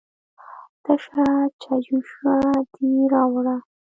_تشه چايجوشه دې راوړه؟